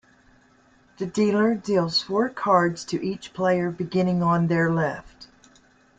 The dealer deals four cards to each player, beginning on their left.